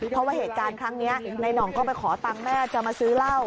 เพราะว่าเหตุการณ์ครั้งนี้ในหน่องก็ไปขอตังค์แม่จะมาซื้อเหล้า